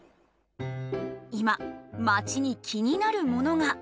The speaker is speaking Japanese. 今街に気になるものが。